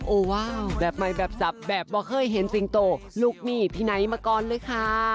โอ้โหว้าวแบบใหม่แบบสับแบบว่าเคยเห็นสิงโตลูกหนี้ที่ไหนมาก่อนเลยค่ะ